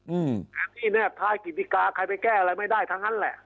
อืมที่แนบท้ายกิติกาใครไปแก้อะไรไม่ได้ทั้งนั้นแหละ